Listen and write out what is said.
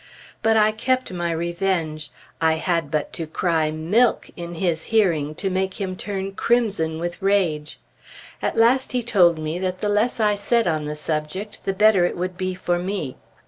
But I kept my revenge. I had but to cry "Milk!" in his hearing to make him turn crimson with rage. At last he told me that the less I said on the subject, the better it would be for me.